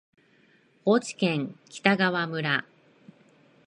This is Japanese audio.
高知県北川村